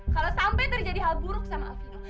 kalau sampai terjadi hal buruk sama afino